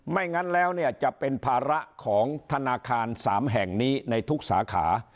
งั้นแล้วเนี่ยจะเป็นภาระของธนาคาร๓แห่งนี้ในทุกสาขา